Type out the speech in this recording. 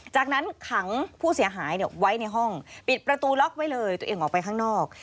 จากนั้นขังผู้เสียหายไว้ในห้องปิดประตูล็อกไว้เลยตัวเองออกไปข้างนอก